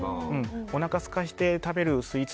おなかすかせて食べるスイーツ